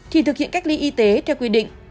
thì thực hiện cách ly y tế theo quy định